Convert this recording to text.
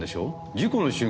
事故の瞬間